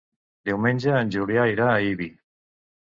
Diumenge en Julià irà a Ibi.